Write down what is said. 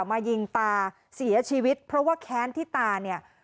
มายิงตาเสียชีวิตเพราะว่าแค้นที่ตาเนี่ย